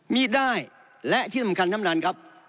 มีดได้และที่สำคัญท่านประธานครับ